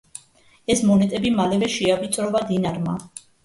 ეს მონეტები მალევე შეავიწროვა დინარმა.